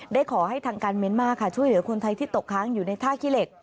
ขอให้ทางการเมียนมาร์ค่ะช่วยเหลือคนไทยที่ตกค้างอยู่ในท่าขี้เหล็ก